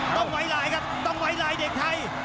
ต้องไหวไหลครับต้องไหวไหลเด็กไทย